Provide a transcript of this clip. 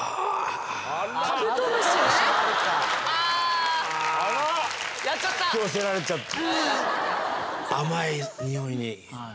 『カブトムシ』ねあやっちゃった。